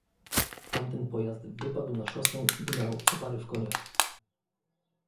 "Tamten pojazd wypadł na szosę i gnał co pary w koniach."